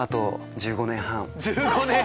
１５年半！